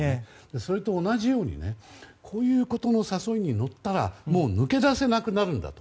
それと同じようにこういうことの誘いに乗ったらもう抜け出せなくなるんだと。